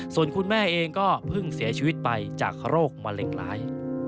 ส่วนคุณแม่เองก็เพิ่งเสียชีวิตไปจากโรคมะเร็งร้าย